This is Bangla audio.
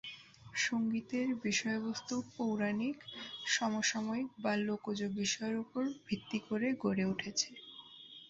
সংগীতের বিষয়বস্তু পৌরাণিক, সমসাময়িক বা লোকজ বিষয়ের উপর ভিত্তি করে গড়ে ওঠে।